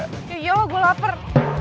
iya iya lah gua lapar